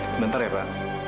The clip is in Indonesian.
sebentar ya pa